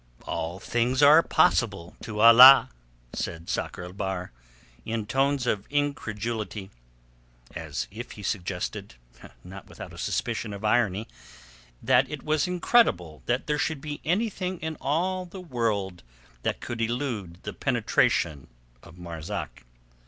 "All things are possible to Allah!" said Sakr el Bahr, in tones of incredulity, as if he suggested—not without a suspicion of irony—that it was incredible there should be anything in all the world that could elude the penetration of Marzak.